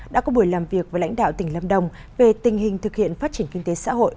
đã có buổi làm việc với lãnh đạo tỉnh lâm đồng về tình hình thực hiện phát triển kinh tế xã hội